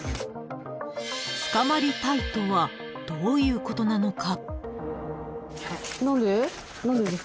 ［「捕まりたい」とはどういうことなのか］